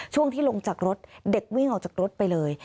ช่วงที่ลงจากรถเด็กวิ่งออกจากรถไปเลย